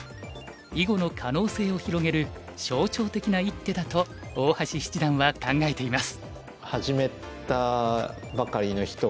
囲碁の可能性を広げる象徴的な一手だと大橋七段は考えています。